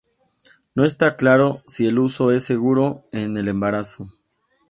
No está claro si el uso es seguro en el embarazo.